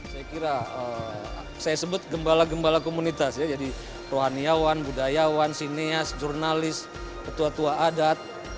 saya kira saya sebut gembala gembala komunitas ya jadi rohaniawan budayawan sineas jurnalis ketua tua adat